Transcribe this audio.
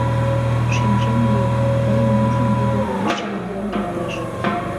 — Шинчен лий, тыйым ужын, тудо уэш черланен кертеш.